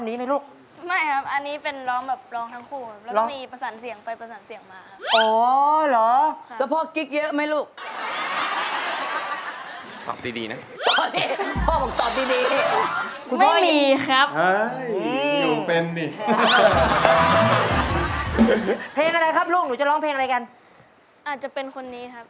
ที่คงไม่ทำให้เราช้ำใจ